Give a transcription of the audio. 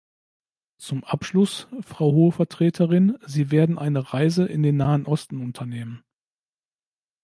Zum Abschluss, Frau Hohe Vertreterin, Sie werden eine Reise in den Nahen Osten unternehmen.